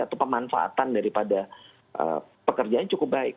atau pemanfaatan daripada pekerjaan cukup baik